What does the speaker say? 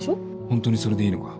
ホントにそれでいいのか？